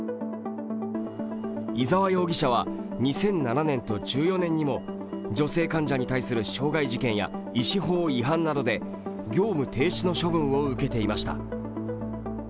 伊沢容疑者は２００７年と１４年にも女性患者に対する傷害事件や医師法違反などで業務停止の処分を受けていました。